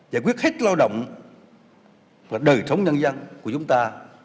giải quyết hết lao động và đời sống nhân dân của chúng ta